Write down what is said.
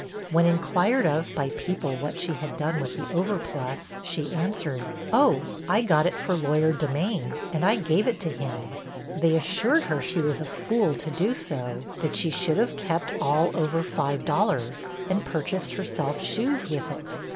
When inquired of by people what she had done with the overplus, she answered, 'Oh, I got it for lawyer Demain, and I gave it to him. ' They assured her she was a fool to do so; that she should have kept all over five dollars, and purchased herself shoes with it.